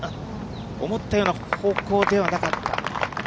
思ったような方向ではなかった。